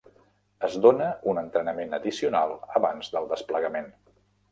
Es dóna un entrenament addicional abans del desplegament.